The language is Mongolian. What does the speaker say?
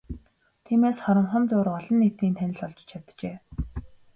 Тиймээс хоромхон зуур олон нийтийн танил болж чаджээ.